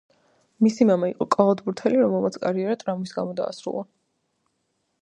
მისი მამა იყო კალათბურთელი, რომელმაც კარიერა ტრამვის გამო დაასრულა.